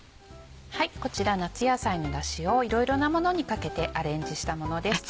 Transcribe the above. こちら夏野菜のだしをいろいろなものにかけてアレンジしたものです。